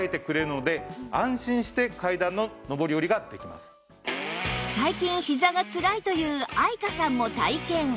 またこの最近ひざがつらいという愛華さんも体験！